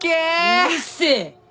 うるせえ！